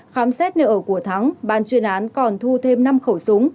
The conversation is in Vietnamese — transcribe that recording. khám xét nơi ở của ngô mạnh hoàng